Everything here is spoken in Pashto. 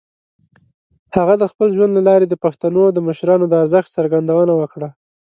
هغه د خپل ژوند له لارې د پښتنو د مشرانو د ارزښت څرګندونه وکړه.